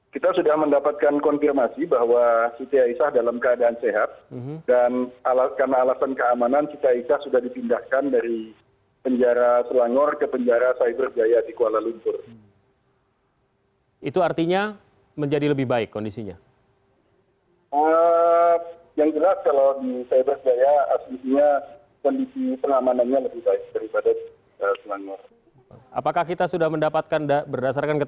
kita sudah mendapatkan konfirmasi bahwa siti aisyah dalam keadaan sehat